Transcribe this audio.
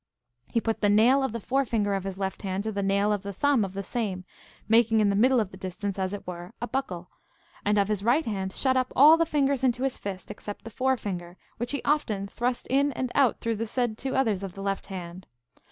He put the nail of the forefinger of his left hand to the nail of the thumb of the same, making in the middle of the distance as it were a buckle, and of his right hand shut up all the fingers into his fist, except the forefinger, which he often thrust in and out through the said two others of the left hand.